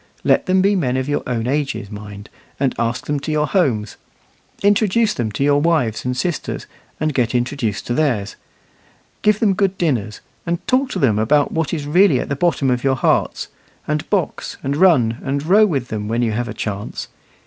Let them be men of your own ages, mind, and ask them to your homes; introduce them to your wives and sisters, and get introduced to theirs; give them good dinners, and talk to them about what is really at the bottom of your hearts; and box, and run, and row with them, when you have a chance.